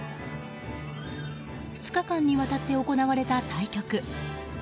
２日間にわたって行われた対局。